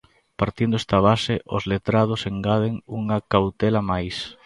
Partindo esta base, os letrados engaden unha cautela máis.